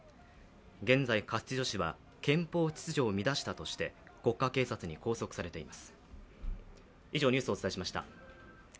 現在、カスティジョ氏は憲法秩序を乱したとして国家警察に拘束されています。